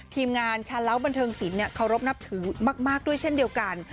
ทีมงานชาเล้าบันเทิงศิลปเคารพนับถือมากด้วยเช่นเดียวกัน